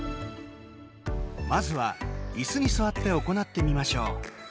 まずはいすに座って行ってみましょう。